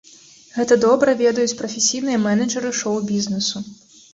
Гэта добра ведаюць прафесійныя менеджэры шоу-бізнесу.